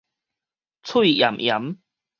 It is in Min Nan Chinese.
碎鹽鹽